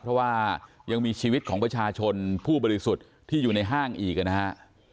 เพราะว่ายังมีชีวิตของประชาชนผู้บริสุทธิ์ที่อยู่ในห้างอีกนะฮะ